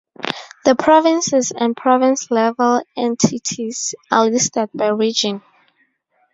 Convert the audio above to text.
The provinces and province-level entities are listed by region.